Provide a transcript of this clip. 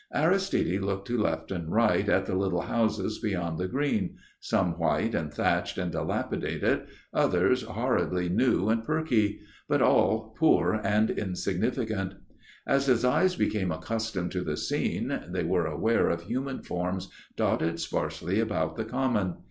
Aristide looked to left and right at the little houses beyond the green some white and thatched and dilapidated, others horridly new and perky but all poor and insignificant. As his eyes became accustomed to the scene they were aware of human forms dotted sparsely about the common.